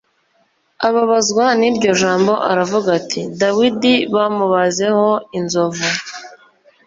ababazwa n’iryo jambo aravuga ati “Dawidi bamubazeho inzovu